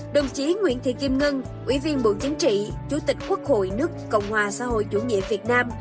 đồng chí nguyễn thị kim ngân ủy viên bộ chính trị chủ tịch quốc hội nước cộng hòa xã hội chủ nghĩa việt nam